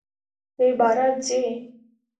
دی باره ځي!